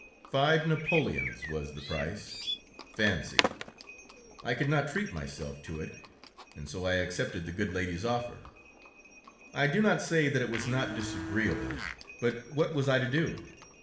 Five napoleons was the price! Fancy! I could not treat myself to it, and so I accepted the good lady's offer. I do not say that it was not disagreeable, but what was I to do?